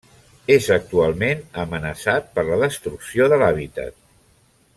És actualment amenaçat per la destrucció de l'hàbitat.